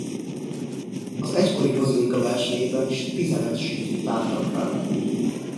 Az egykori bazilika belsejében is tizenöt sírt tártak fel.